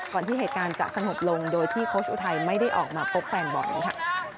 ที่เหตุการณ์จะสงบลงโดยที่โค้ชอุทัยไม่ได้ออกมาพบแฟนบอลค่ะ